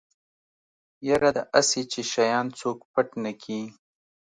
يره دا اسې چې شيان څوک پټ نکي.